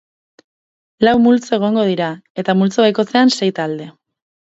Lau multzo egongo dira, eta multzo bakoitzean sei talde.